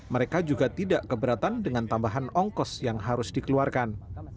mereka juga tidak keberatan dengan tambahan ongkos yang harus dikeluarkan